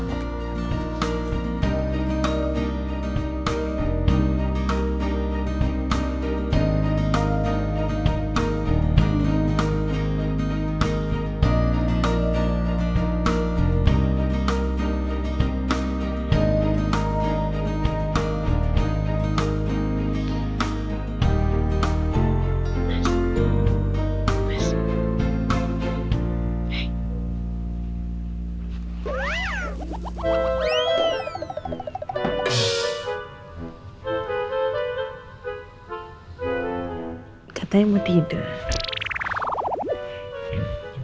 katanya mau tidur